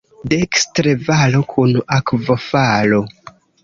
Dekstre valo kun akvofalo.